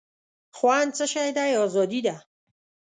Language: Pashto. خوند څه شی دی آزادي ده.